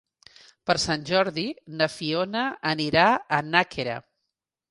Per Sant Jordi na Fiona anirà a Nàquera.